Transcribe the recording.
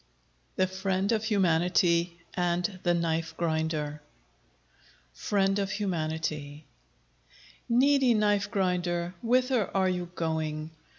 THE FRIEND OF HUMANITY AND THE KNIFE GRINDER FRIEND OF HUMANITY Needy Knife grinder! whither are you going?